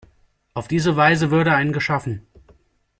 Auf diese Weise würde ein geschaffen.